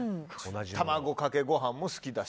卵かけご飯も好きなんだ？